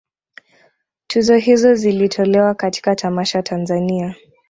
Tuzo hizo zilitolewa katika tamasha Tanzania